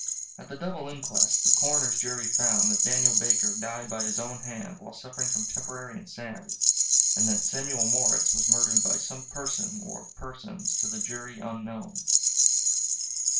At the double inquest the coroner's jury found that Daniel Baker died by his own hand while suffering from temporary insanity, and that Samuel Morritz was murdered by some person or persons to the jury unknown.